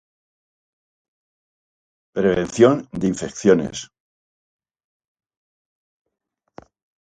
Prevención de infecciones